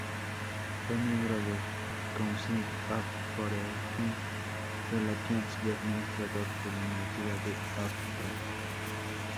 Fue miembro del Council on Foreign Relations y administrador en la Universidad de Hofstra.